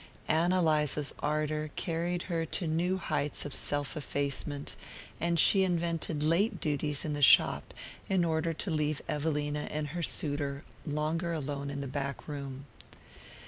Ann Eliza's ardour carried her to new heights of self effacement, and she invented late duties in the shop in order to leave Evelina and her suitor longer alone in the back room.